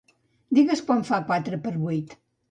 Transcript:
Digues quant fa quatre per vuit.